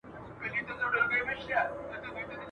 یوه نه زر خاطرې !.